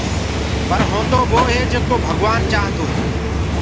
پر هونٚدو وو هي جيڪو ڀگوآن چآهندوئي